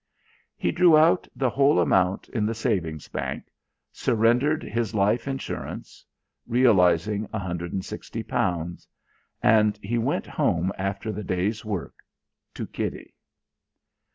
He drew out the whole amount in the savings bank, surrendered his life insurance, realising £160; and he went home after the day's work to Kitty.